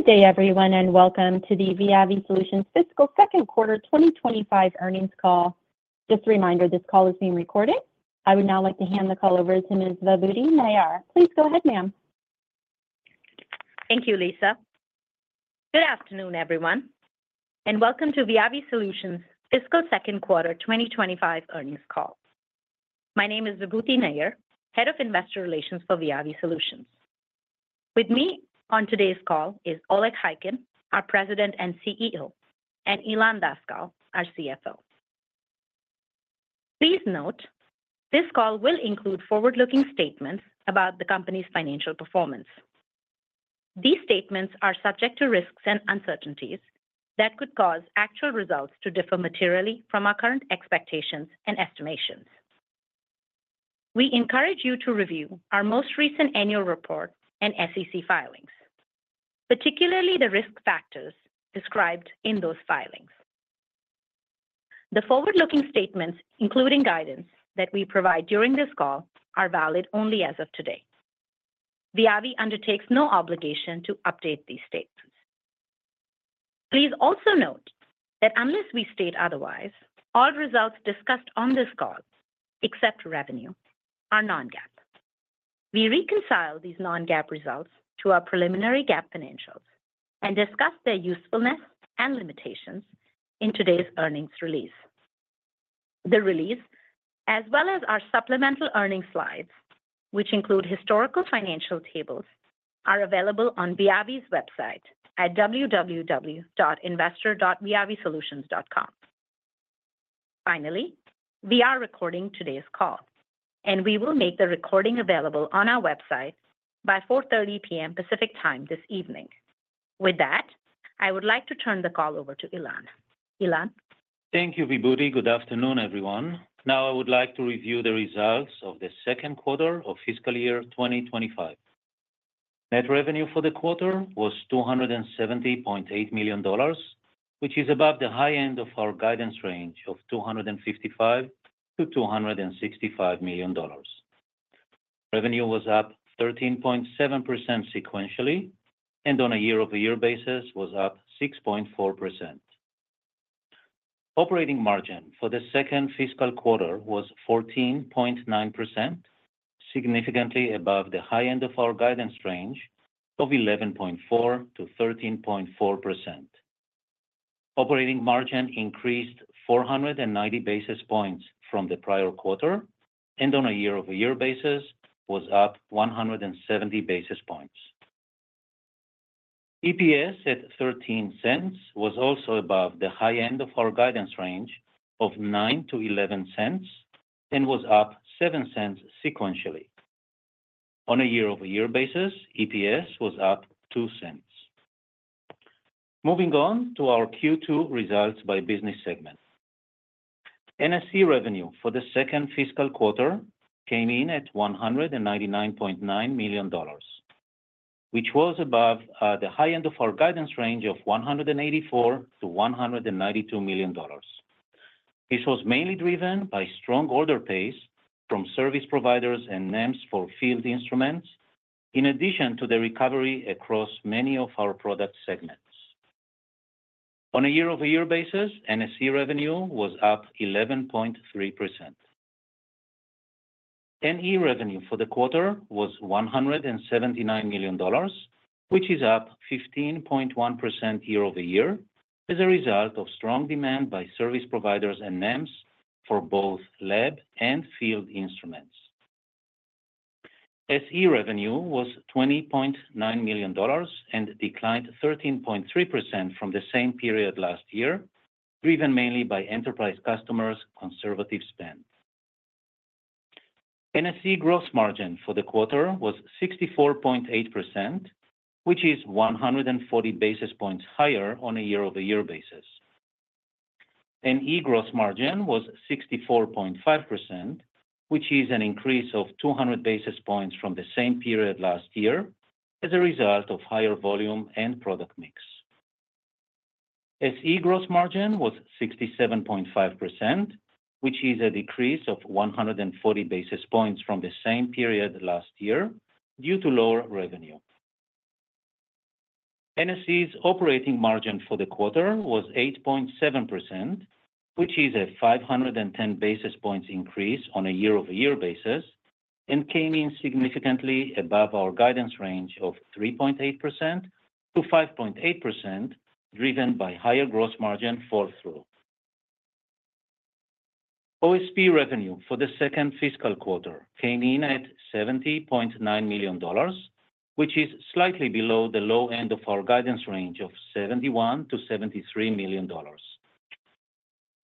Good day, everyone, and welcome to the VIAVI Solutions fiscal second quarter 2025 earnings call. Just a reminder, this call is being recorded. I would now like to hand the call over to Ms. Vibhuti Nayar. Please go ahead, ma'am. Thank you, Lisa. Good afternoon, everyone, and welcome to VIAVI Solutions fiscal second quarter 2025 earnings call. My name is Vibhuti Nayar, Head of Investor Relations for VIAVI Solutions. With me on today's call is Oleg Khaykin, our President and CEO, and Ilan Daskal, our CFO. Please note, this call will include forward-looking statements about the company's financial performance. These statements are subject to risks and uncertainties that could cause actual results to differ materially from our current expectations and estimations. We encourage you to review our most recent annual report and SEC filings, particularly the risk factors described in those filings. The forward-looking statements, including guidance that we provide during this call, are valid only as of today. VIAVI undertakes no obligation to update these statements. Please also note that unless we state otherwise, all results discussed on this call, except revenue, are Non-GAAP. We reconcile these Non-GAAP results to our preliminary GAAP financials and discuss their usefulness and limitations in today's earnings release. The release, as well as our supplemental earnings slides, which include historical financial tables, are available on VIAVI's website at www.investor.viavisolutions.com. Finally, we are recording today's call, and we will make the recording available on our website by 4:30 PM. Pacific Time this evening. With that, I would like to turn the call over to Ilan. Ilan. Thank you, Vibhuti. Good afternoon, everyone. Now, I would like to review the results of the second quarter of fiscal year 2025. Net revenue for the quarter was $270.8 million, which is above the high end of our guidance range of $255 million-$265 million. Revenue was up 13.7% sequentially and, on a year-over-year basis, was up 6.4%. Operating margin for the second fiscal quarter was 14.9%, significantly above the high end of our guidance range of 11.4%-13.4%. Operating margin increased 490 basis points from the prior quarter, and on a year-over-year basis, was up 170 basis points. EPS at 13 cents was also above the high end of our guidance range of $0.09-$0.11 and was up $0.07 sequentially. On a year-over-year basis, EPS was up $0.02. Moving on to our Q2 results by business segment. NSE revenue for the second fiscal quarter came in at $199.9 million, which was above the high end of our guidance range of $184 million-$192 million. This was mainly driven by strong order pace from service providers and NEMs for field instruments, in addition to the recovery across many of our product segments. On a year-over-year basis, NSE revenue was up 11.3%. NE revenue for the quarter was $179 million, which is up 15.1% year-over-year as a result of strong demand by service providers and NEMs for both lab and field instruments. SE revenue was $20.9 million and declined 13.3% from the same period last year, driven mainly by enterprise customers' conservative spend. NSE gross margin for the quarter was 64.8%, which is 140 basis points higher on a year-over-year basis. NE gross margin was 64.5%, which is an increase of 200 basis points from the same period last year as a result of higher volume and product mix. SE gross margin was 67.5%, which is a decrease of 140 basis points from the same period last year due to lower revenue. NSE's operating margin for the quarter was 8.7%, which is a 510 basis points increase on a year-over-year basis, and came in significantly above our guidance range of 3.8%-5.8%, driven by higher gross margin fall-through. OSP revenue for the second fiscal quarter came in at $70.9 million, which is slightly below the low end of our guidance range of $71 million-$73 million.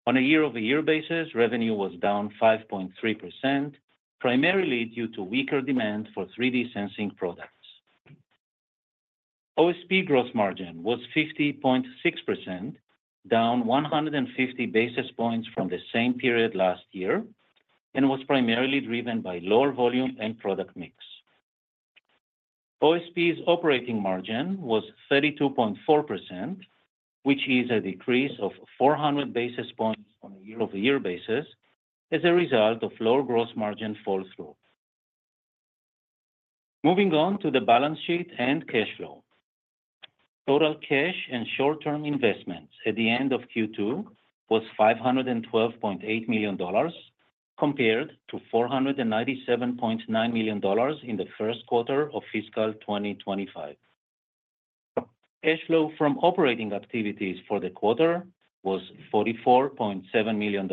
On a year-over-year basis, revenue was down 5.3%, primarily due to weaker demand for 3D sensing products. OSP gross margin was 50.6%, down 150 basis points from the same period last year, and was primarily driven by lower volume and product mix. OSP's operating margin was 32.4%, which is a decrease of 400 basis points on a year-over-year basis as a result of lower gross margin fall-through. Moving on to the balance sheet and cash flow. Total cash and short-term investments at the end of Q2 was $512.8 million compared to $497.9 million in the Q1 of fiscal 2025. Cash flow from operating activities for the quarter was $44.7 million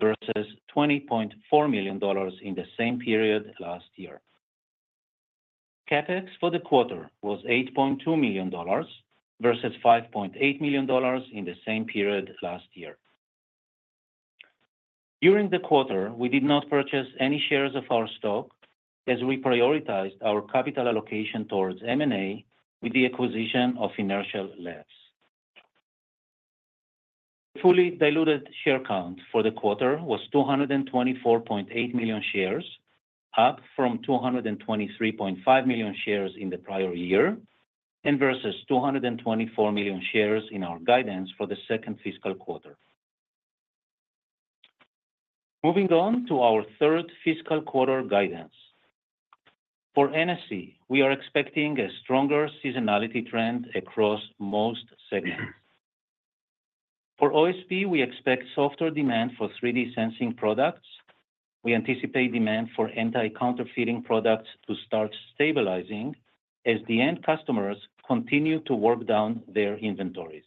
versus $20.4 million in the same period last year. CapEx for the quarter was $8.2 million versus $5.8 million in the same period last year. During the quarter, we did not purchase any shares of our stock as we prioritized our capital allocation towards M&A with the acquisition of Inertial Labs. The fully diluted share count for the quarter was 224.8 million shares, up from 223.5 million shares in the prior year and versus 224 million shares in our guidance for the second fiscal quarter. Moving on to our third fiscal quarter guidance. For NSE, we are expecting a stronger seasonality trend across most segments. For OSP, we expect softer demand for 3D sensing products. We anticipate demand for anti-counterfeiting products to start stabilizing as the end customers continue to work down their inventories.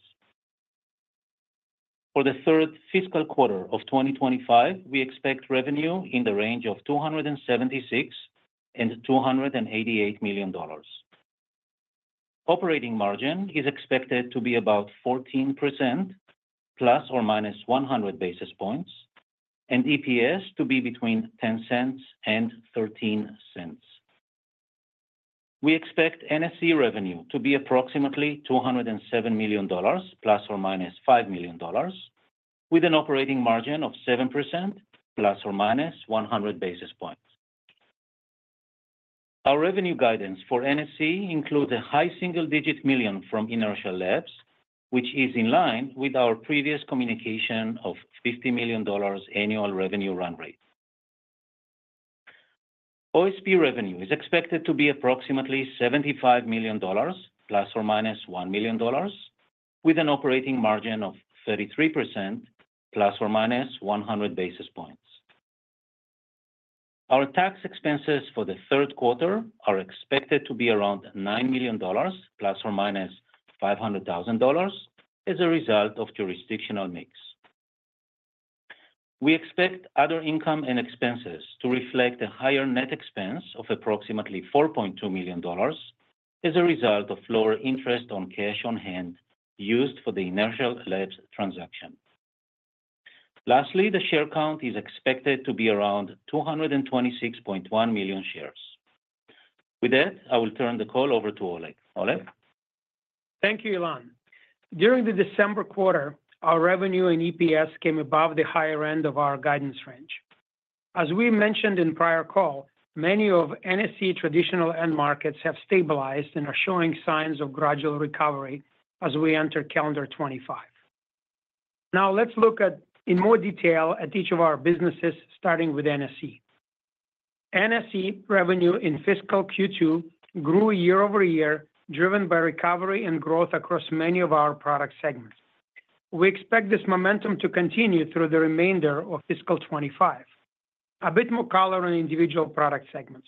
For the third fiscal quarter of 2025, we expect revenue in the range of $276 million-$288 million. Operating margin is expected to be about 14% ± 100 basis points, and EPS to be between $0.10 and $0.13. We expect NSE revenue to be approximately $207 million, ± $5 million, with an operating margin of 7%, ± 100 basis points. Our revenue guidance for NSE includes a high single-digit million from Inertial Labs, which is in line with our previous communication of $50 million annual revenue run rate. OSP revenue is expected to be approximately $75 million, ± $1 million, with an operating margin of 33%, ± 100 basis points. Our tax expenses for the third quarter are expected to be around $9 million, ± $500,000, as a result of jurisdictional mix. We expect other income and expenses to reflect a higher net expense of approximately $4.2 million as a result of lower interest on cash on hand used for the Inertial Labs transaction. Lastly, the share count is expected to be around 226.1 million shares. With that, I will turn the call over to Oleg. Oleg. Thank you, Ilan. During the December quarter, our revenue and EPS came above the higher end of our guidance range. As we mentioned in prior call, many of NSE traditional end markets have stabilized and are showing signs of gradual recovery as we enter calendar 2025. Now, let's look in more detail at each of our businesses, starting with NSE. NSE revenue in fiscal Q2 grew year-over-year, driven by recovery and growth across many of our product segments. We expect this momentum to continue through the remainder of fiscal 2025. A bit more color on individual product segments.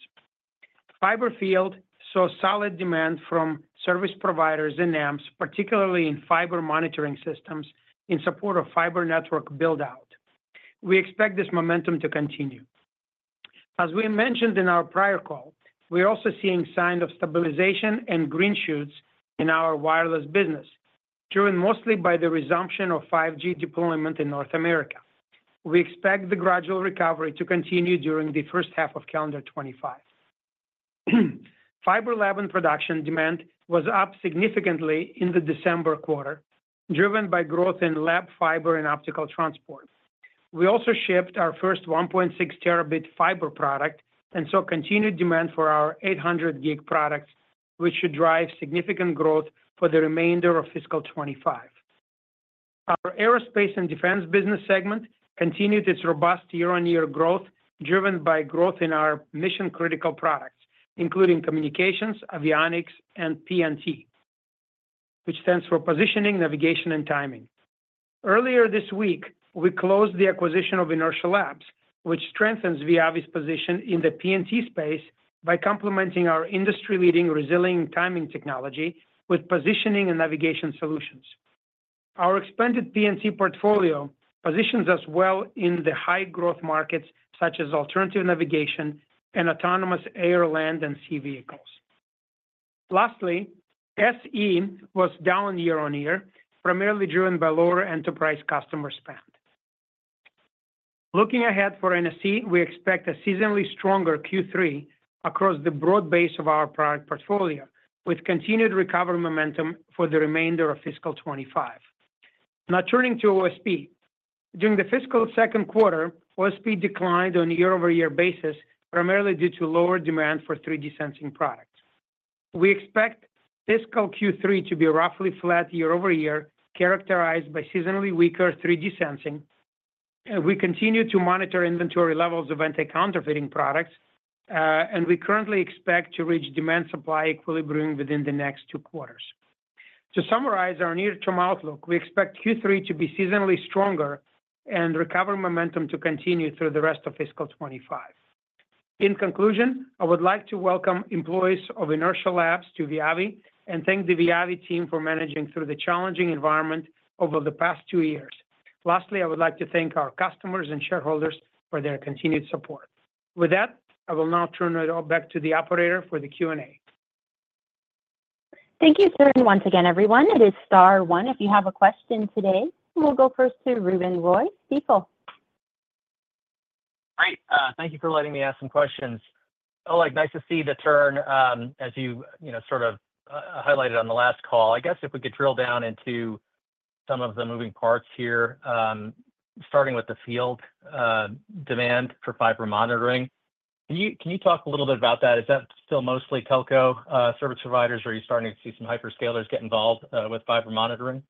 Fiber field saw solid demand from service providers and NEMs, particularly in fiber monitoring systems in support of fiber network build-out. We expect this momentum to continue. As we mentioned in our prior call, we are also seeing signs of stabilization and green shoots in our wireless business, driven mostly by the resumption of 5G deployment in North America. We expect the gradual recovery to continue during the first half of calendar 2025. Fiber lab and production demand was up significantly in the December quarter, driven by growth in lab fiber and optical transport. We also shipped our first 1.6Tb fiber product and saw continued demand for our 800-gig products, which should drive significant growth for the remainder of fiscal 2025. Our aerospace and defense business segment continued its robust year-on-year growth, driven by growth in our mission-critical products, including communications, avionics, and P&T, which stands for positioning, navigation, and timing. Earlier this week, we closed the acquisition of Inertial Labs, which strengthens VIAVI's position in the P&T space by complementing our industry-leading resilient timing technology with positioning and navigation solutions. Our expanded P&T portfolio positions us well in the high-growth markets such as alternative navigation and autonomous air, land, and sea vehicles. Lastly, SE was down year-on-year, primarily driven by lower enterprise customer spend. Looking ahead for NSE, we expect a seasonally stronger Q3 across the broad base of our product portfolio, with continued recovery momentum for the remainder of fiscal 2025. Now, turning to OSP. During the fiscal second quarter, OSP declined on a year-over-year basis, primarily due to lower demand for 3D sensing products. We expect fiscal Q3 to be roughly flat year-over-year, characterized by seasonally weaker 3D sensing. We continue to monitor inventory levels of anti-counterfeiting products, and we currently expect to reach demand-supply equilibrium within the next two quarters. To summarize our near-term outlook, we expect Q3 to be seasonally stronger and recovery momentum to continue through the rest of fiscal 2025. In conclusion, I would like to welcome employees of Inertial Labs to VIAVI and thank the VIAVI team for managing through the challenging environment over the past two years. Lastly, I would like to thank our customers and shareholders for their continued support. With that, I will now turn it back to the operator for the Q&A. Thank you, once again, everyone. It is Star One. If you have a question today, we'll go first to Ruben Roy, Stifel. Great. Thank you for letting me ask some questions. Oleg, nice to see the turn, as you sort of highlighted on the last call. I guess if we could drill down into some of the moving parts here, starting with the field demand for fiber monitoring. Can you talk a little bit about that? Is that still mostly telco service providers, or are you starting to see some hyperscalers get involved with fiber monitoring?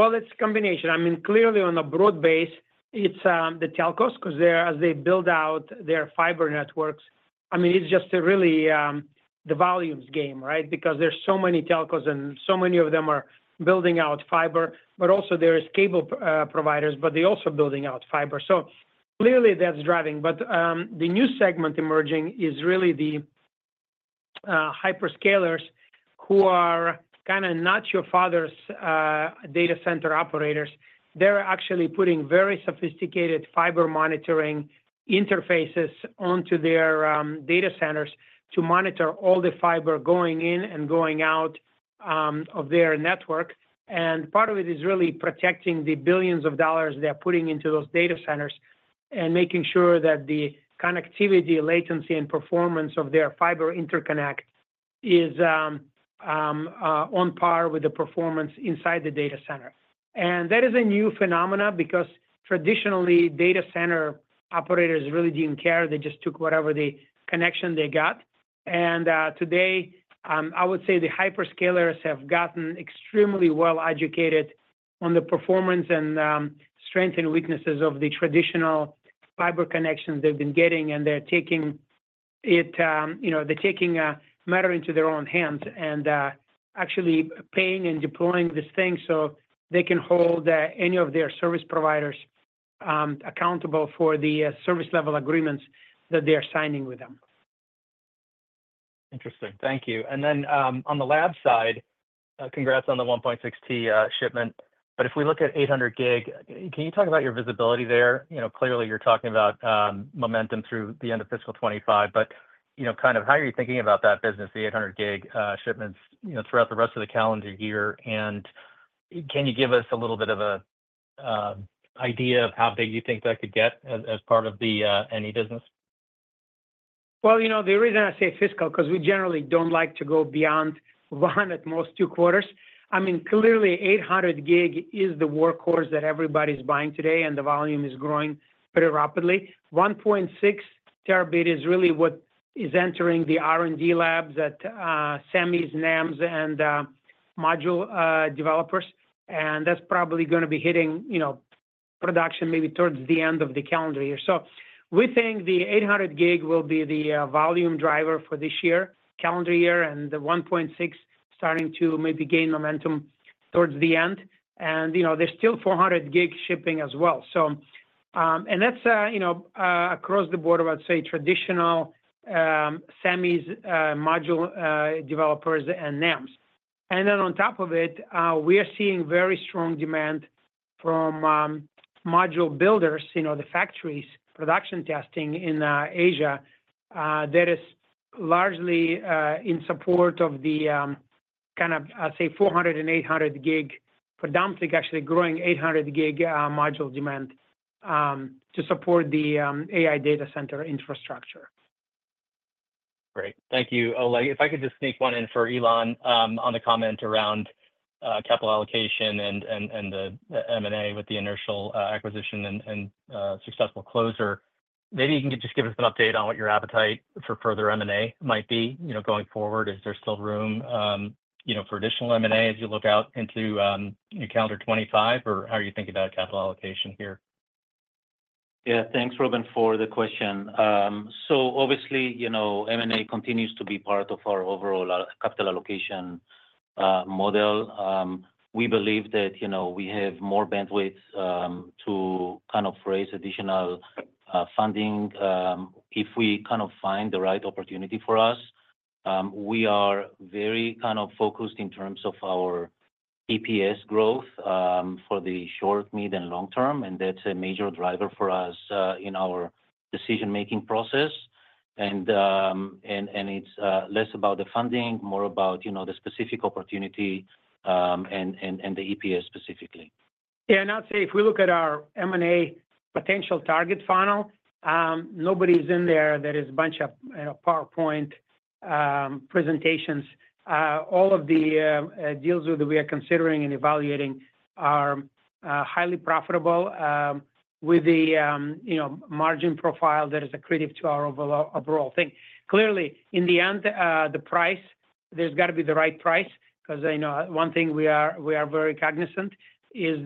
It's a combination. I mean, clearly, on a broad base, it's the telcos because as they build out their fiber networks, I mean, it's just really the volumes game, right? Because there's so many telcos, and so many of them are building out fiber, but also there are cable providers, but they're also building out fiber. So clearly, that's driving. But the new segment emerging is really the hyperscalers who are kind of not your father's data center operators. They're actually putting very sophisticated fiber monitoring interfaces onto their data centers to monitor all the fiber going in and going out of their network. And part of it is really protecting the billions of dollars they're putting into those data centers and making sure that the connectivity, latency, and performance of their fiber interconnect is on par with the performance inside the data center. That is a new phenomenon because traditionally, data center operators really didn't care. They just took whatever connection they got. Today, I would say the hyperscalers have gotten extremely well-educated on the performance and strengths and weaknesses of the traditional fiber connections they've been getting, and they're taking matter into their own hands and actually paying and deploying this thing so they can hold any of their service providers accountable for the service-level agreements that they're signing with them. Interesting. Thank you. And then on the lab side, congrats on the 1.6T shipment. But if we look at 800-gig, can you talk about your visibility there? Clearly, you're talking about momentum through the end of fiscal 2025. But kind of how are you thinking about that business, the 800-gig shipments throughout the rest of the calendar year? And can you give us a little bit of an idea of how big you think that could get as part of the NE business? The reason I say fiscal is because we generally don't like to go beyond one, at most two quarters. I mean, clearly, 800-gig is the workhorse that everybody's buying today, and the volume is growing pretty rapidly. 1.6T is really what is entering the R&D labs at semis, NEMs, and module developers. And that's probably going to be hitting production maybe towards the end of the calendar year. So we think the 800-gig will be the volume driver for this year, calendar year, and the 1.6 starting to maybe gain momentum towards the end. And there's still 400-gig shipping as well. And that's across the board of, I'd say, traditional semis, module developers, and NEMs. And then on top of it, we are seeing very strong demand from module builders, the factories. Production testing in Asia that is largely in support of the kind of, I'd say, 400-gig and 800-gig, predominantly actually growing 800-gig module demand to support the AI data center infrastructure. Great. Thank you, Oleg. If I could just sneak one in for Ilan on the comment around capital allocation and the M&A with the Inertial Labs acquisition and successful closure, maybe you can just give us an update on what your appetite for further M&A might be going forward. Is there still room for additional M&A as you look out into calendar 2025, or how are you thinking about capital allocation here? Yeah. Thanks, Ruben, for the question. So obviously, M&A continues to be part of our overall capital allocation model. We believe that we have more bandwidth to kind of raise additional funding if we kind of find the right opportunity for us. We are very kind of focused in terms of our EPS growth for the short, mid, and long term, and that's a major driver for us in our decision-making process. And it's less about the funding, more about the specific opportunity and the EPS specifically. Yeah. And I'd say if we look at our M&A potential target funnel, nobody's in there that is a bunch of PowerPoint presentations. All of the deals that we are considering and evaluating are highly profitable with the margin profile that is accretive to our overall thing. Clearly, in the end, the price, there's got to be the right price because one thing we are very cognizant is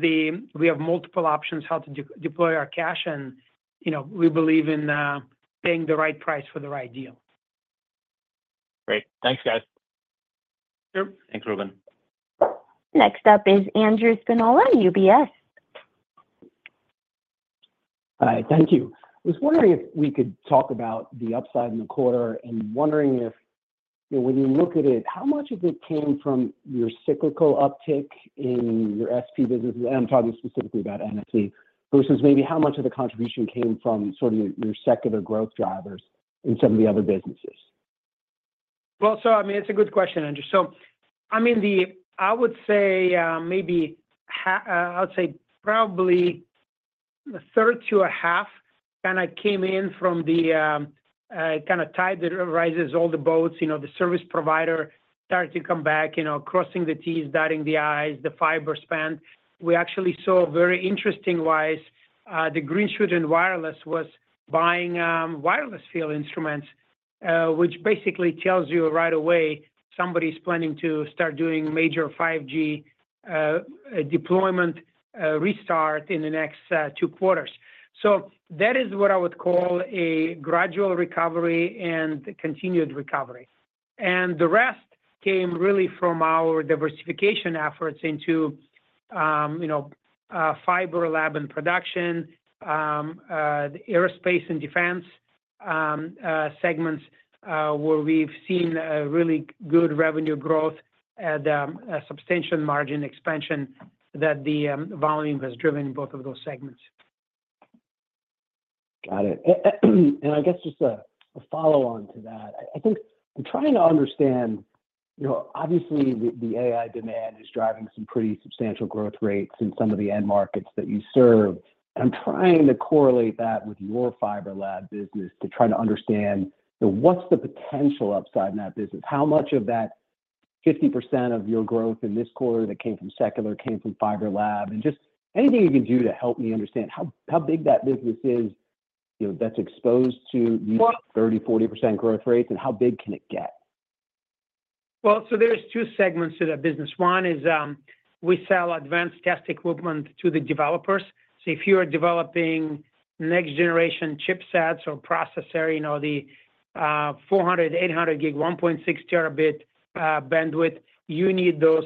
we have multiple options how to deploy our cash, and we believe in paying the right price for the right deal. Great. Thanks, guys. Sure. Thanks, Ruben. Next up is Andrew Spinola, UBS. Hi. Thank you. I was wondering if we could talk about the upside in the quarter and wondering if when you look at it, how much of it came from your cyclical uptick in your OSP businesses? And I'm talking specifically about NSE versus maybe how much of the contribution came from sort of your secular growth drivers in some of the other businesses? I mean, it's a good question, Andrew. I mean, I would say maybe probably a third to a half kind of came in from the kind of tide that rises all the boats. The service provider started to come back, crossing the T's, dotting the I's, the fiber spend. We actually saw very interesting-wise, the green shoot in wireless was buying wireless field instruments, which basically tells you right away somebody's planning to start doing major 5G deployment restart in the next two quarters. That is what I would call a gradual recovery and continued recovery. The rest came really from our diversification efforts into fiber lab and production, aerospace and defense segments where we've seen really good revenue growth and substantial margin expansion that the volume has driven in both of those segments. Got it. And I guess just a follow-on to that, I think I'm trying to understand, obviously, the AI demand is driving some pretty substantial growth rates in some of the end markets that you serve. And I'm trying to correlate that with your fiber lab business to try to understand what's the potential upside in that business. How much of that 50% of your growth in this quarter that came from secular came from fiber lab? And just anything you can do to help me understand how big that business is that's exposed to these 30%-40% growth rates and how big can it get? Well, so there's two segments to that business. One is we sell advanced test equipment to the developers. So if you're developing next-generation chipsets or processors, the 400-gig, 800-gig, 1.6T bandwidth, you need those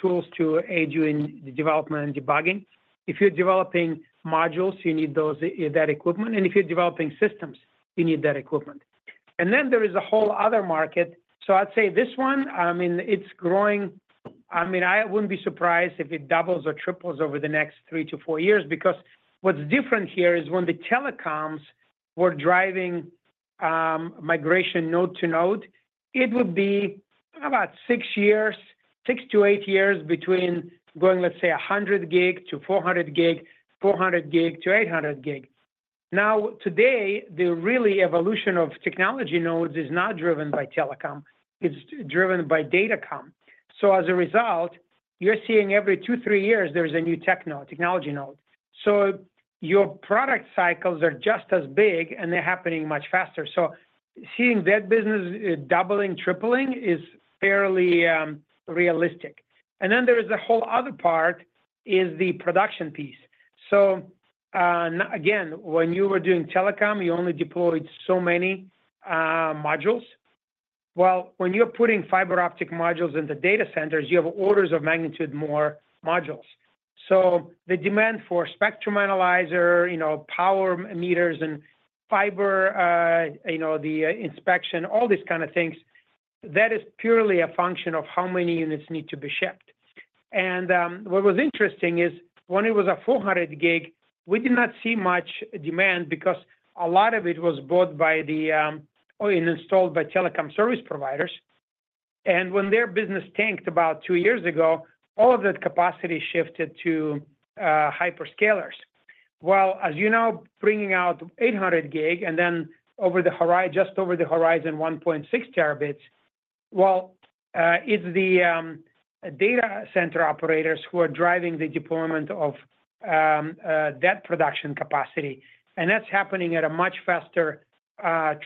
tools to aid you in the development and debugging. If you're developing modules, you need that equipment. And if you're developing systems, you need that equipment. And then there is a whole other market. So I'd say this one, I mean, it's growing. I mean, I wouldn't be surprised if it doubles or triples over the next three to four years because what's different here is when the telecoms were driving migration node to node, it would be about six years, six to eight years between going, let's say, 100-gig-400-gig, 400-gig-800-gig. Now, today, the really evolution of technology nodes is not driven by telecom. It's driven by datacom. So as a result, you're seeing every two, three years, there's a new technology node. So your product cycles are just as big, and they're happening much faster. So seeing that business doubling, tripling is fairly realistic. And then there is a whole other part is the production piece. So again, when you were doing telecom, you only deployed so many modules. Well, when you're putting fiber optic modules into data centers, you have orders of magnitude more modules. So the demand for spectrum analyzer, power meters, and fiber inspection, all these kind of things, that is purely a function of how many units need to be shipped. And what was interesting is when it was a 400-gig, we did not see much demand because a lot of it was bought by the OEM or installed by telecom service providers. When their business tanked about two years ago, all of that capacity shifted to hyperscalers. As you know, bringing out 800-gig and then just over the horizon, 1.6T, well, it's the data center operators who are driving the deployment of that production capacity. And that's happening at a much faster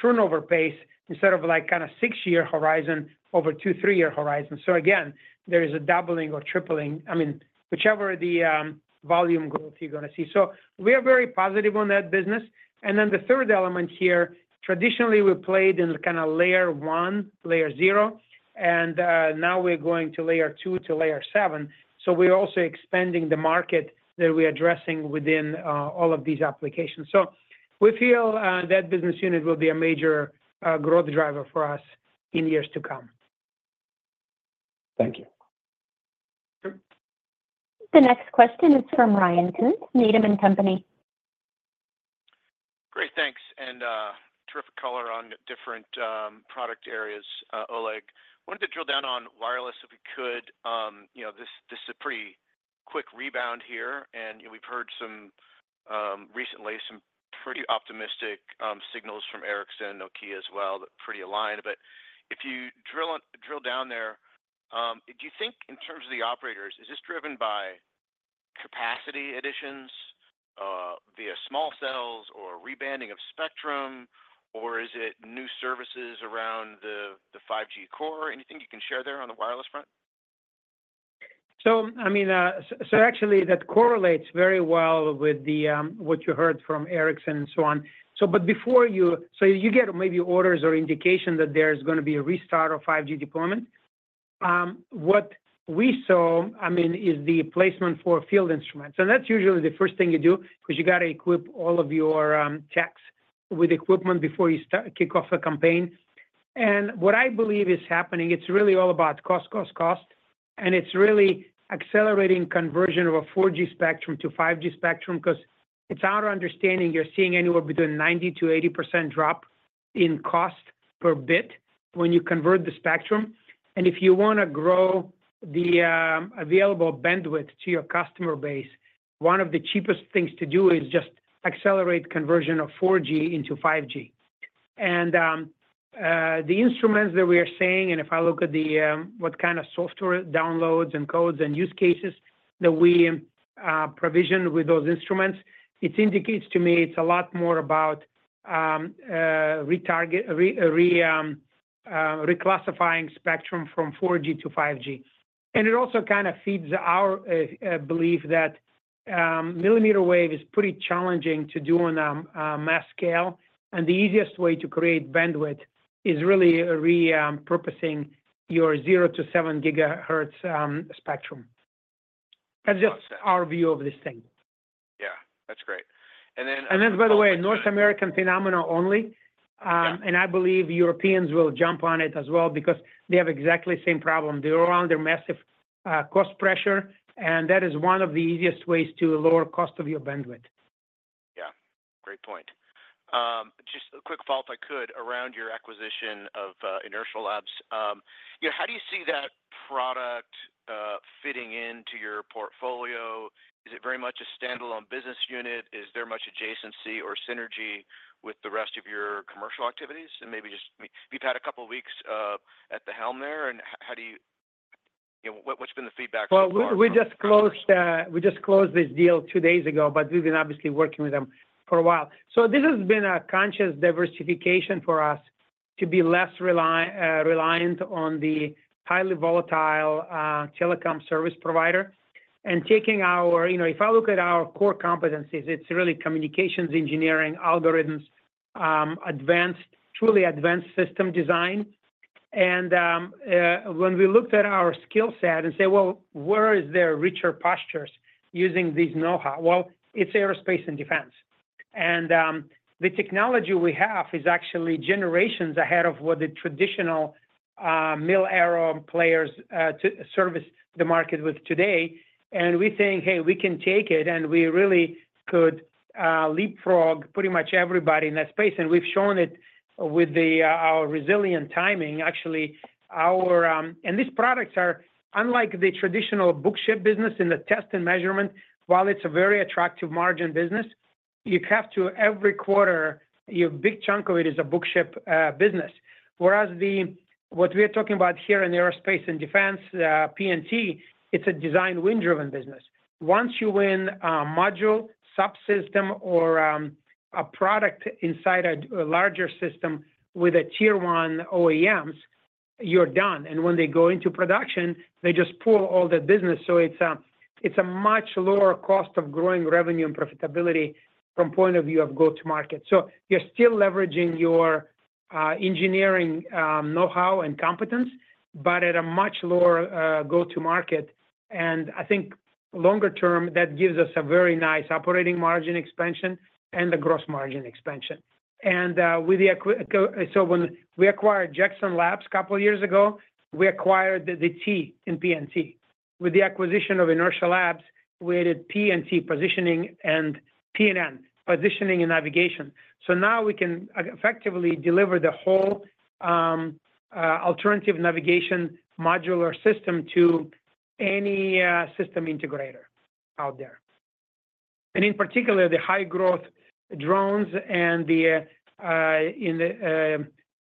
turnover pace instead of kind of six-year horizon over two, three-year horizon. So again, there is a doubling or tripling, I mean, whichever the volume growth you're going to see. So we are very positive on that business. And then the third element here, traditionally, we played in kind of layer one, layer zero, and now we're going to layer two to layer seven. So we're also expanding the market that we're addressing within all of these applications. So we feel that business unit will be a major growth driver for us in years to come. Thank you. The next question is from Ryan Koontz, Needham & Company. Great. Thanks. And terrific color on different product areas, Oleg. I wanted to drill down on wireless if we could. This is a pretty quick rebound here. And we've heard recently some pretty optimistic signals from Ericsson and Nokia as well that are pretty aligned. But if you drill down there, do you think in terms of the operators, is this driven by capacity additions via small cells or rebanding of spectrum, or is it new services around the 5G core? Anything you can share there on the wireless front? So I mean, so actually, that correlates very well with what you heard from Ericsson and so on. But before you get maybe orders or indication that there's going to be a restart of 5G deployment. What we saw, I mean, is the placement for field instruments. And that's usually the first thing you do because you got to equip all of your techs with equipment before you kick off a campaign. And what I believe is happening, it's really all about cost, cost, cost. And it's really accelerating conversion of a 4G spectrum to 5G spectrum because it's our understanding you're seeing anywhere between 90%-80% drop in cost per bit when you convert the spectrum. And if you want to grow the available bandwidth to your customer base, one of the cheapest things to do is just accelerate conversion of 4G into 5G. The instruments that we are seeing, and if I look at what kind of software downloads and codes and use cases that we provision with those instruments, it indicates to me it's a lot more about reclassifying spectrum from 4G-5G. It also kind of feeds our belief that millimeter wave is pretty challenging to do on a mass scale. The easiest way to create bandwidth is really repurposing your 0GHz-7 GHz spectrum. That's just our view of this thing. Yeah. That's great. And that's, by the way, a North American phenomenon only. And I believe Europeans will jump on it as well because they have exactly the same problem. They're under massive cost pressure, and that is one of the easiest ways to lower the cost of your bandwidth. Yeah. Great point. Just a quick follow-up, if I could, around your acquisition of Inertial Labs. How do you see that product fitting into your portfolio? Is it very much a standalone business unit? Is there much adjacency or synergy with the rest of your commercial activities? And maybe just if you've had a couple of weeks at the helm there, and how do you see what's been the feedback so far? We just closed this deal two days ago, but we've been obviously working with them for a while. This has been a conscious diversification for us to be less reliant on the highly volatile telecom service provider. If I look at our core competencies, it's really communications, engineering, algorithms, advanced, truly advanced system design. When we looked at our skill set and said, "Well, where is there richer pastures using this know-how?" It's aerospace and defense. The technology we have is actually generations ahead of what the traditional mil-aero players serve the market with today. We're saying, "Hey, we can take it," and we really could leapfrog pretty much everybody in that space. We've shown it with our resilient timing, actually. These products are unlike the traditional box-ship business in the test and measurement. While it's a very attractive margin business, you have to every quarter a big chunk of it is a book-and-ship business, whereas what we are talking about here in aerospace and defense, P&T, it's a design win-driven business. Once you win a module, subsystem, or a product inside a larger system with a tier-one OEMs, you're done, and when they go into production, they just pull all that business. So it's a much lower cost of growing revenue and profitability from the point of view of go-to-market, so you're still leveraging your engineering know-how and competence, but at a much lower go-to-market, and I think longer term, that gives us a very nice operating margin expansion and the gross margin expansion, and so when we acquired Jackson Labs a couple of years ago, we acquired the T in P&T. With the acquisition of Inertial Labs, we added P&T positioning and P&N, positioning and navigation. So now we can effectively deliver the whole alternative navigation modular system to any system integrator out there. And in particular, the high-growth drones and the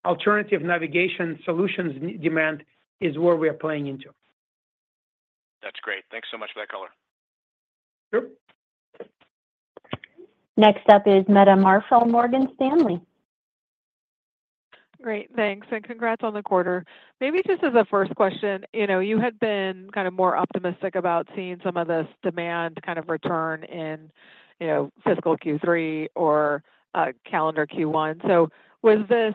alternative navigation solutions demand is where we are playing into. That's great. Thanks so much for that color. Sure. Next up is Meta Marshall, Morgan Stanley. Great. Thanks. And congrats on the quarter. Maybe just as a first question, you had been kind of more optimistic about seeing some of this demand kind of return in fiscal Q3 or calendar Q1. So was this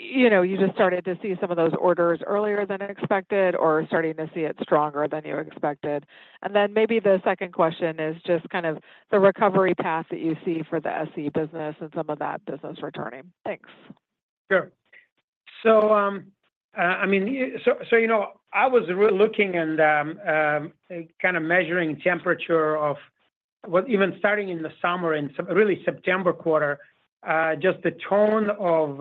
you just started to see some of those orders earlier than expected or starting to see it stronger than you expected? And then maybe the second question is just kind of the recovery path that you see for the SE business and some of that business returning. Thanks. Sure. So I mean, so I was looking and kind of measuring temperature of even starting in the summer and really September quarter, just the tone of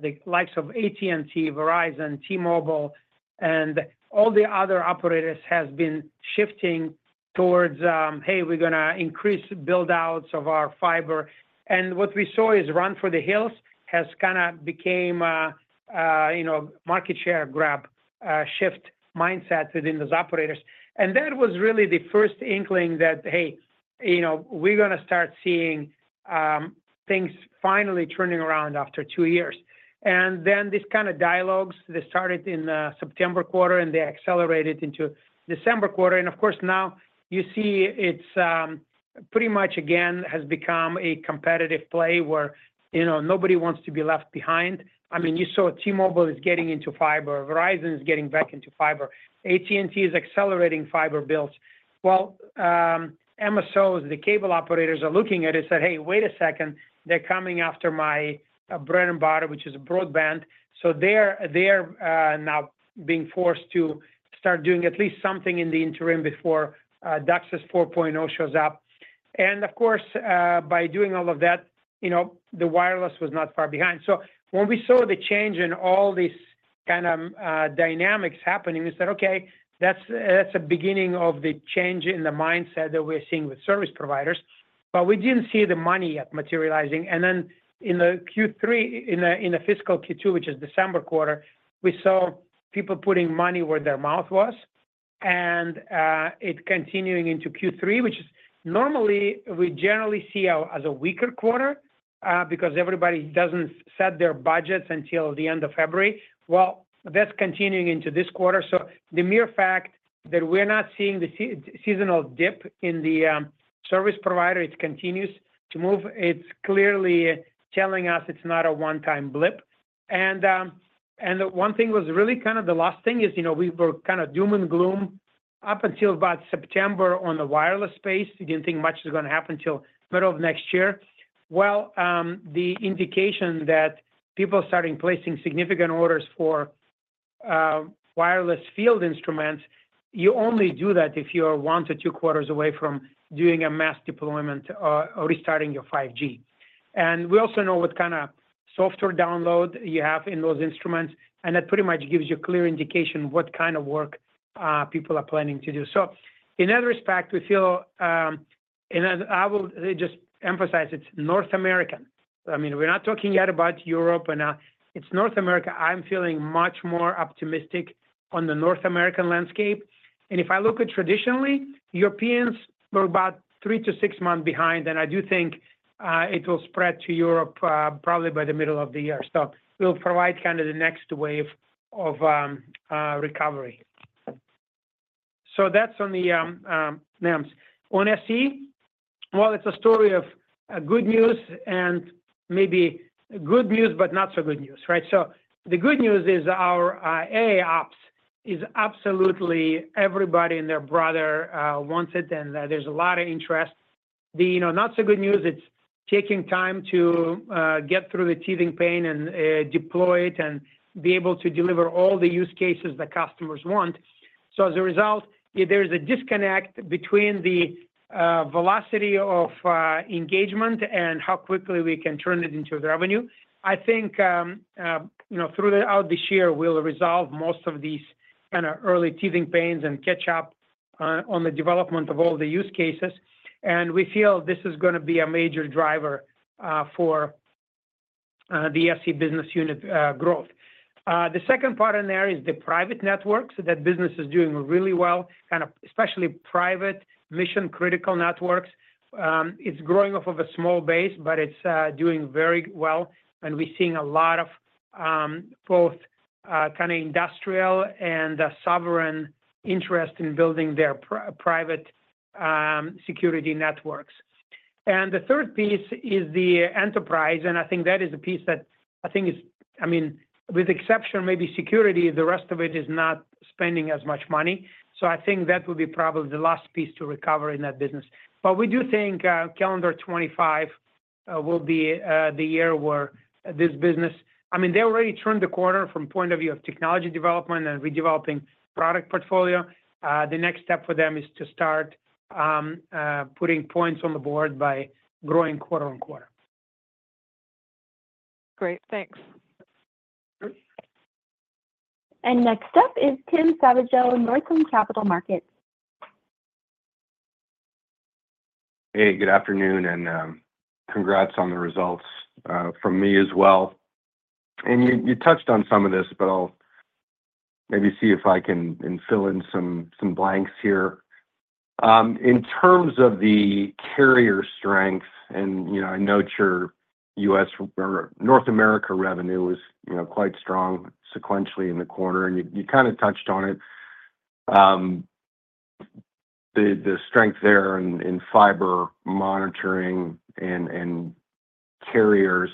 the likes of AT&T, Verizon, T-Mobile, and all the other operators has been shifting towards, "Hey, we're going to increase build-outs of our fiber." And what we saw is run for the hills has kind of became a market share grab shift mindset within those operators. And that was really the first inkling that, "Hey, we're going to start seeing things finally turning around after two years." And then these kind of dialogues, they started in September quarter, and they accelerated into December quarter. And of course, now you see it's pretty much again has become a competitive play where nobody wants to be left behind. I mean, you saw T-Mobile is getting into fiber. Verizon is getting back into fiber. AT&T is accelerating fiber builds. MSOs, the cable operators, are looking at it and said, "Hey, wait a second. They're coming after my bread and butter, which is broadband." So they're now being forced to start doing at least something in the interim before DOCSIS 4.0 shows up. And of course, by doing all of that, the wireless was not far behind. So when we saw the change in all these kind of dynamics happening, we said, "Okay, that's a beginning of the change in the mindset that we're seeing with service providers." But we didn't see the money yet materializing. And then in the Q3, in the fiscal Q2, which is December quarter, we saw people putting money where their mouth was. And it continuing into Q3, which normally we generally see as a weaker quarter because everybody doesn't set their budgets until the end of February. That's continuing into this quarter. So the mere fact that we're not seeing the seasonal dip in the service provider, it continues to move. It's clearly telling us it's not a one-time blip. And one thing was really kind of the last thing is we were kind of doom and gloom up until about September on the wireless space. We didn't think much was going to happen until middle of next year. Well, the indication that people are starting placing significant orders for wireless field instruments, you only do that if you're one to two quarters away from doing a mass deployment or restarting your 5G. We also know what kind of software download you have in those instruments, and that pretty much gives you a clear indication of what kind of work people are planning to do. So in that respect, we feel and I will just emphasize it's North American. I mean, we're not talking yet about Europe, and it's North America. I'm feeling much more optimistic on the North American landscape, and if I look at traditionally, Europeans were about three to six months behind, and I do think it will spread to Europe probably by the middle of the year, so we'll provide kind of the next wave of recovery, so that's on the NE. On SE, well, it's a story of good news and maybe good news, but not so good news, right. So the good news is our AIOps is absolutely everybody and their brother wants it, and there's a lot of interest. The not-so-good news, it's taking time to get through the teething pain and deploy it and be able to deliver all the use cases that customers want. So as a result, there's a disconnect between the velocity of engagement and how quickly we can turn it into revenue. I think throughout this year, we'll resolve most of these kind of early teething pains and catch up on the development of all the use cases. And we feel this is going to be a major driver for the SE business unit growth. The second part in there is the private networks that business is doing really well, kind of especially private mission-critical networks. It's growing off of a small base, but it's doing very well. We're seeing a lot of both kind of industrial and sovereign interest in building their private security networks. And the third piece is the enterprise, and I think that is a piece that I think is, I mean, with exception maybe security, the rest of it is not spending as much money. So I think that would be probably the last piece to recover in that business. But we do think calendar 2025 will be the year where this business, I mean, they already turned the corner from the point of view of technology development and redeveloping product portfolio. The next step for them is to start putting points on the board by growing quarter on quarter. Great. Thanks. Next up is Tim Savageaux, Northland Capital Markets. Hey, good afternoon. And congrats on the results from me as well. And you touched on some of this, but I'll maybe see if I can fill in some blanks here. In terms of the carrier strength, and I note your U.S. or North America revenue is quite strong sequentially in the quarter. And you kind of touched on it. The strength there in fiber monitoring and carriers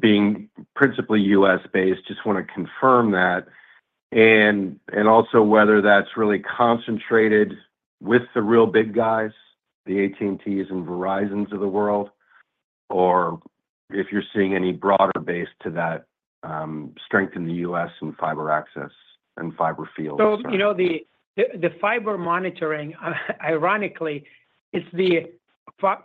being principally U.S.-based, just want to confirm that, and also whether that's really concentrated with the real big guys, the AT&Ts and Verizons of the world, or if you're seeing any broader base to that strength in the U.S. and fiber access and fiber field. So the fiber monitoring, ironically, it's the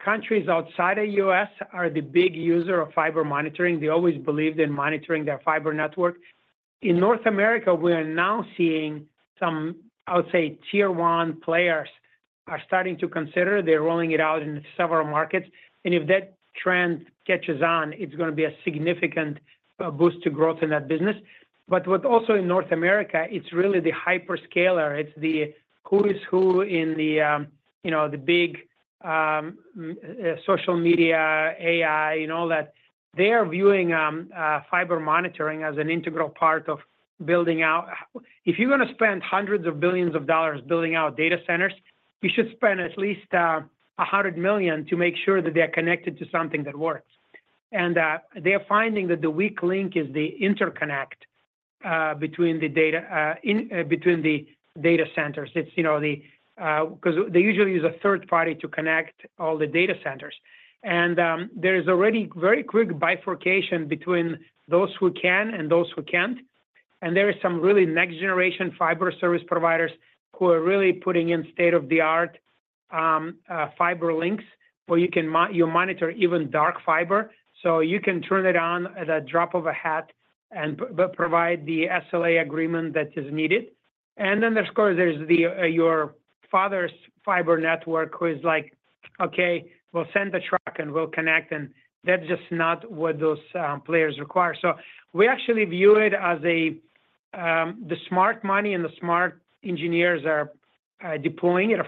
countries outside of the U.S. that are the big user of fiber monitoring. They always believed in monitoring their fiber network. In North America, we are now seeing some, I would say, tier one players are starting to consider. They're rolling it out in several markets. And if that trend catches on, it's going to be a significant boost to growth in that business. But also in North America, it's really the hyperscaler. It's the who's who in the big social media, AI, and all that. They are viewing fiber monitoring as an integral part of building out. If you're going to spend hundreds of billions of dollars building out data centers, you should spend at least $100 million to make sure that they are connected to something that works. They are finding that the weak link is the interconnect between the data centers. It's because they usually use a third party to connect all the data centers. There is already very quick bifurcation between those who can and those who can't. There are some really next-generation fiber service providers who are really putting in state-of-the-art fiber links where you monitor even dark fiber. You can turn it on at a drop of a hat and provide the SLA agreement that is needed. Then there's of course, there's your father's fiber network who is like, "Okay, we'll send a truck and we'll connect." That's just not what those players require. We actually view it as the smart money and the smart engineers are deploying it. Of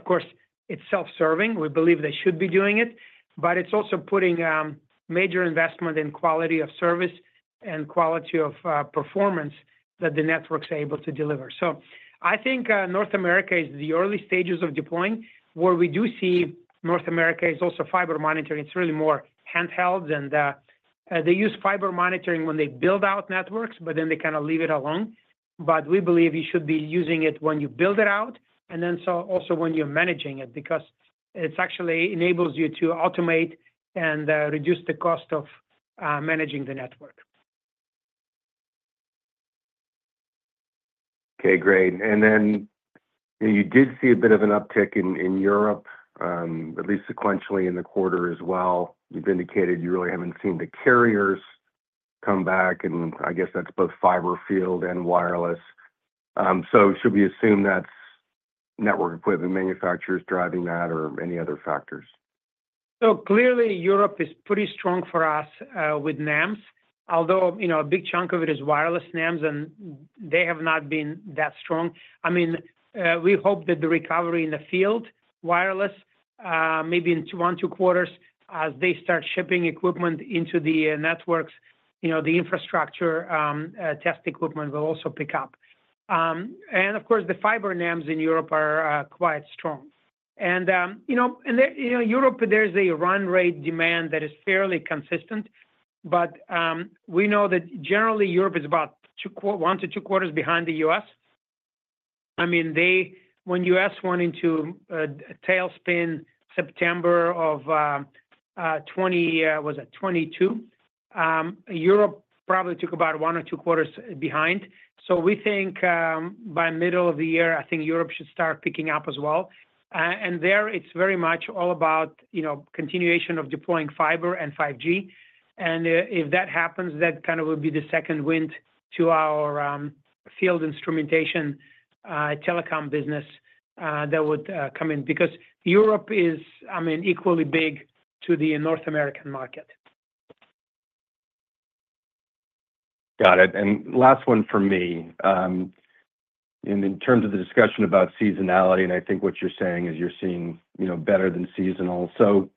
course, it's self-serving. We believe they should be doing it. But it's also putting major investment in quality of service and quality of performance that the network's able to deliver. So I think North America is in the early stages of deploying where we do see North America is also fiber monitoring. It's really more handheld. And they use fiber monitoring when they build out networks, but then they kind of leave it alone. But we believe you should be using it when you build it out and then also when you're managing it because it actually enables you to automate and reduce the cost of managing the network. Okay. Great. And then you did see a bit of an uptick in Europe, at least sequentially in the quarter as well. You've indicated you really haven't seen the carriers come back. And I guess that's both fiber field and wireless. So should we assume that's network equipment manufacturers driving that or any other factors? So clearly, Europe is pretty strong for us with NEMs, although a big chunk of it is wireless NEMs, and they have not been that strong. I mean, we hope that the recovery in the field wireless, maybe in one to two quarters, as they start shipping equipment into the networks, the infrastructure test equipment will also pick up, and of course, the fiber NEMs in Europe are quite strong, and in Europe, there's a run rate demand that is fairly consistent, but we know that generally Europe is about one to two quarters behind the U.S. I mean, when U.S. went into tailspin September of 2022, Europe probably took about one or two quarters behind, so we think by middle of the year, I think Europe should start picking up as well, and there, it's very much all about continuation of deploying fiber and 5G. If that happens, that kind of will be the second wind to our field instrumentation telecom business that would come in because Europe is, I mean, equally big to the North American market. Got it. And last one for me. And in terms of the discussion about seasonality, and I think what you're saying is you're seeing better than seasonal. So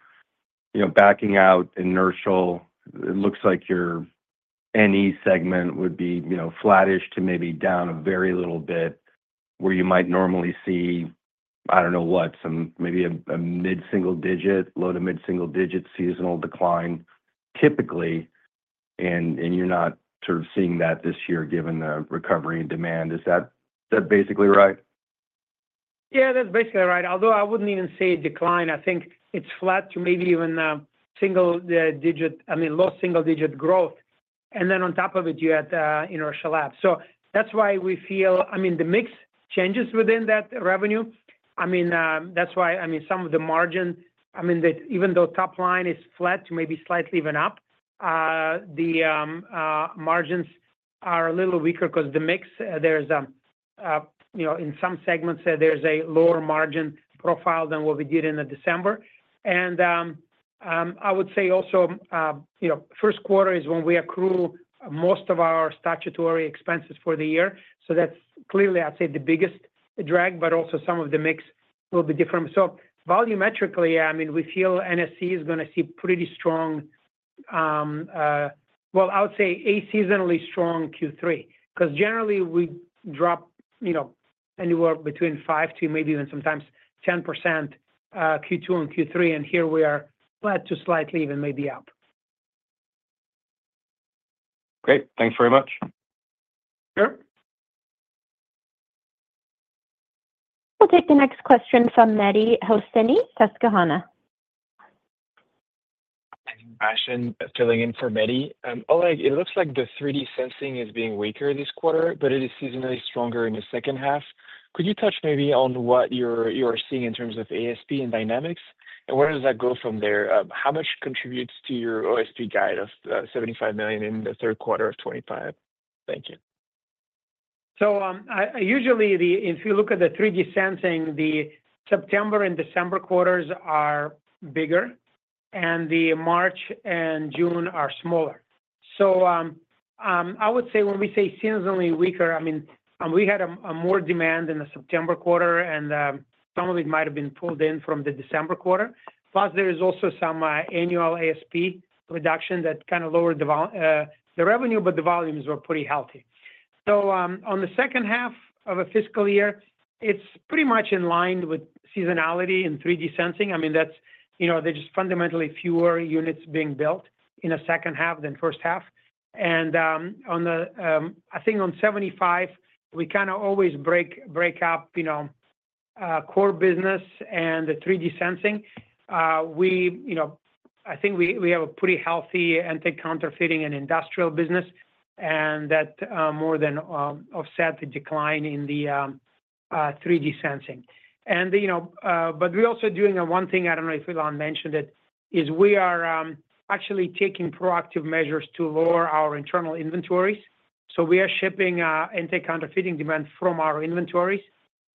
backing out Inertial, it looks like your NE segment would be flattish to maybe down a very little bit where you might normally see, I don't know what, maybe a mid-single digit, low to mid-single digit seasonal decline typically. And you're not sort of seeing that this year given the recovery in demand. Is that basically right? Yeah, that's basically right. Although I wouldn't even say decline. I think it's flat to maybe even single digit, I mean, low single digit growth. And then on top of it, you had Inertial Labs. So that's why we feel, I mean, the mix changes within that revenue. I mean, that's why, I mean, some of the margin, I mean, even though top line is flat to maybe slightly even up, the margins are a little weaker because the mix, there's in some segments a lower margin profile than what we did in December. And I would say also first quarter is when we accrue most of our statutory expenses for the year. So that's clearly, I'd say, the biggest drag, but also some of the mix will be different. Volumetrically, I mean, we feel NSE is going to see pretty strong, well, I would say a seasonally strong Q3 because generally we drop anywhere between 5% to maybe even sometimes 10% Q2 and Q3. Here we are flat to slightly even maybe up. Great. Thanks very much. Sure. We'll take the next question from Mehdi Hosseini, Susquehanna. Hi, I'm Ashton filling in for Mehdi. It looks like the 3D sensing is being weaker this quarter, but it is seasonally stronger in the second half. Could you touch maybe on what you're seeing in terms of ASP and dynamics? And where does that go from there? How much contributes to your OSP guide of $75 million in the third quarter of 2025? Thank you. Usually, if you look at the 3D sensing, the September and December quarters are bigger, and the March and June are smaller. So I would say when we say seasonally weaker, I mean, we had more demand in the September quarter, and some of it might have been pulled in from the December quarter. Plus, there is also some annual ASP reduction that kind of lowered the revenue, but the volumes were pretty healthy. So on the second half of a fiscal year, it's pretty much in line with seasonality in 3D sensing. I mean, there's just fundamentally fewer units being built in the second half than first half. And I think on FY 2025, we kind of always break up core business and the 3D sensing. I think we have a pretty healthy anti-counterfeiting and industrial business, and that more than offset the decline in the 3D sensing. But we're also doing one thing. I don't know if Ilan mentioned it, we are actually taking proactive measures to lower our internal inventories. So we are shipping anticipated demand from our inventories.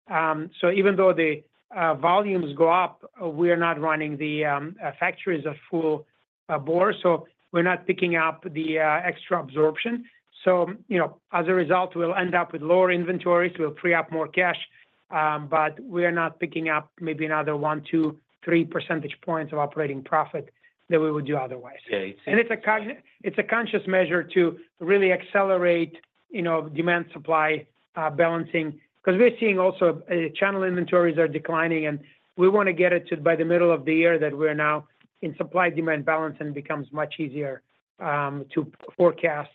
So even though the volumes go up, we are not running the factories at full bore. So we're not picking up the extra absorption. So as a result, we'll end up with lower inventories. We'll free up more cash, but we are not picking up maybe another one, two, three percentage points of operating profit than we would do otherwise. And it's a conscious measure to really accelerate demand-supply balancing because we're seeing also channel inventories are declining, and we want to get it to by the middle of the year that we're now in supply-demand balance, and it becomes much easier to forecast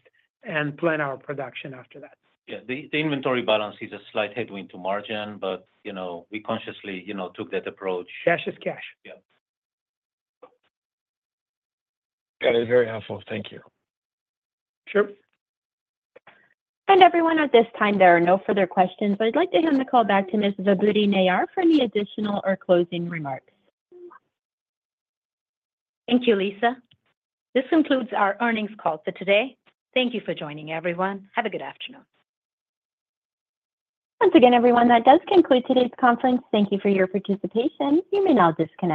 and plan our production after that. Yeah. The inventory balance is a slight headwind to margin, but we consciously took that approach. Cash is cash. Yeah. That is very helpful. Thank you. Sure. Everyone, at this time, there are no further questions. I'd like to hand the call back to Ms. Vibhuti Nayar for any additional or closing remarks. Thank you, Lisa. This concludes our earnings call for today. Thank you for joining, everyone. Have a good afternoon. Once again, everyone, that does conclude today's conference. Thank you for your participation. You may now disconnect.